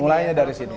mulainya dari sini